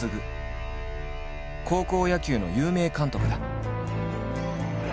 高校野球の有名監督だ。